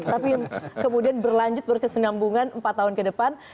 tapi kemudian berlanjut berkesenambungan empat tahun ke depan